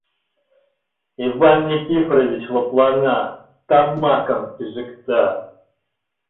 Иван Никифорович лыплана, тамакым пижыкта.